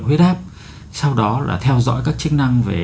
huyết áp sau đó là theo dõi các chức năng về